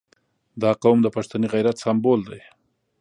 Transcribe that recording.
• دا قوم د پښتني غیرت سمبول دی.